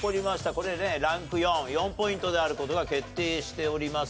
これねランク４４ポイントである事が決定しております。